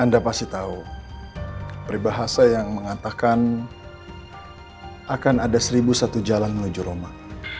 anda pasti tahu peribahasa yang mengatakan akan ada seribu satu jalan menuju roma